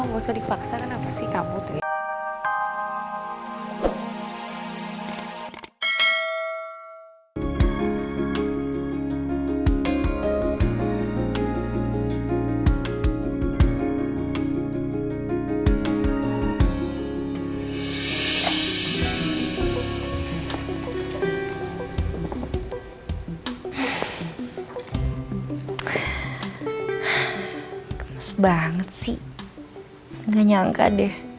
gak nyangka deh